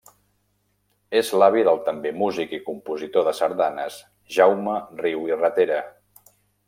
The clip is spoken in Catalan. És l'avi del també músic i compositor de sardanes Jaume Riu i Ratera.